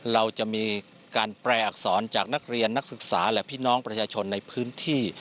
เราจะมีการแปลอักษรจากนักเรียนนักศึกษาและพี่น้องประชาชนในพื้นที่